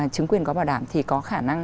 chứng quyền có bảo đảm thì có khả năng